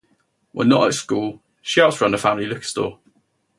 When not at school, she helps run the family liquor store.